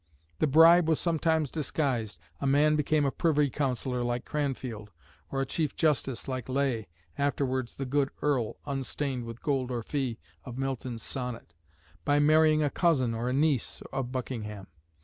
The bribe was sometimes disguised: a man became a Privy Councillor, like Cranfield, or a Chief Justice, like Ley (afterwards "the good Earl," "unstained with gold or fee," of Milton's Sonnet), by marrying a cousin or a niece of Buckingham.